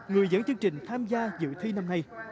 người dẫn chương trình tham gia dự thi năm nay